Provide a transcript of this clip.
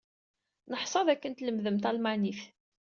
Neḥṣa d akken tlemdem talmanit.